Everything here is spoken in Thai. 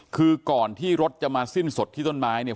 คือก่อนที่รถจะมาสิ้นสดที่ต้นไม้เนี่ย